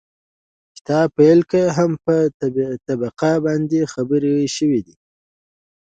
د کتاب پيل کې هم په طبقه باندې خبرې شوي دي